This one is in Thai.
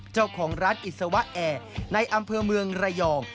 เจ้าของร้านอิสวะแอร์ในอำเภอเมืองระยอง